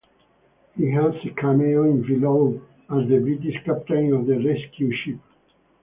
He has a cameo in "Below" as the British Captain of the rescue ship.